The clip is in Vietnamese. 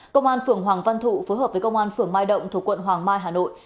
công an phường hoàng văn thụ phối hợp với công an phường mai động thuộc quận hoàng mai hà nội